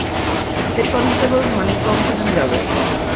Head constable Manikam সেখানে যাবে।